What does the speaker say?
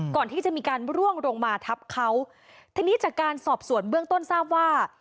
ก่อนที่จะมีการร่วงลงมาทับเขาทีนี้จากการสอบสวนเบื้องต้นทราบว่า